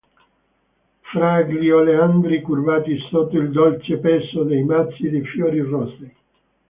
Fra gli oleandri curvati sotto il dolce peso dei mazzi di fiori rosei.